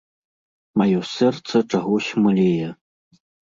Маё сэрца чагось млее.